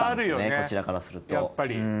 こちらからすると。